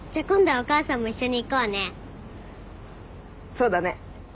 そうだね。